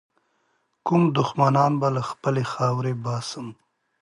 کوم دښمنان به له خپلي خاورې باسم.